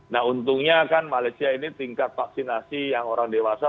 nah untungnya kan malaysia ini tingkat vaksinasi yang orang dewasa